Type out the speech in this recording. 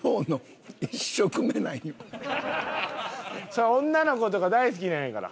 それ女の子とか大好きなんやから。